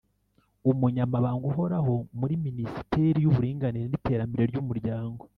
Umunyamabanga Uhoraho muri Minisiteri y’Uburinganire n’Iterambere ry’Umuryango